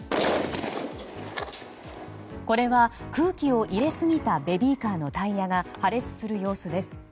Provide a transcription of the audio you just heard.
これは空気を入れすぎたベビーカーのタイヤが破裂する様子です。